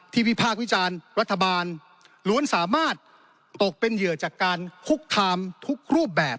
วิพากษ์วิจารณ์รัฐบาลล้วนสามารถตกเป็นเหยื่อจากการคุกคามทุกรูปแบบ